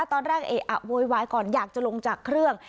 ตอนแรกเอะอะโวยวายก่อนอยากจะลงจากเครื่อง